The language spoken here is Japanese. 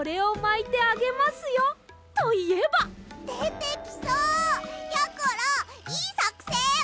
てきそう！やころいいさくせん！